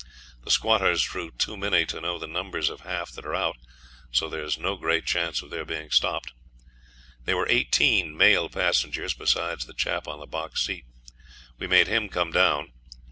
The squatters draw too many to know the numbers of half that are out, so there's no great chance of their being stopped. There were eighteen male passengers, besides the chap on the box seat. We made him come down.